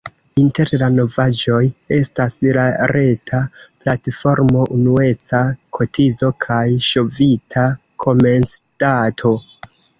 Inter la novaĵoj estas la reta platformo, unueca kotizo kaj ŝovita komencdato.